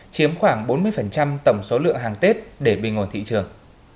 chiếm khoảng bốn mươi tổng số lượng hàng tết để bình ngồn thị trường